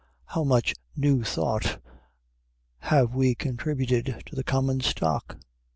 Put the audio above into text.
How much new thought have we contributed to the common stock?